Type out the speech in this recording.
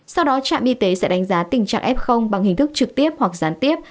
sau đó trạm y tế sẽ đánh giá tình trạng f bằng hình thức trực tiếp hoặc gián tiếp